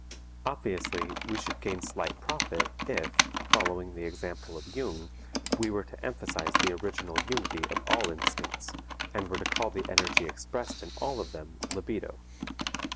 Obviously, we should gain slight profit if, following the example of Jung, we were to emphasize the original unity of all instincts, and were to call the energy expressed in all of them "libido."